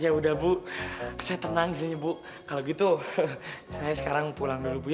ya udah bu saya tenang kalau gitu saya sekarang pulang dulu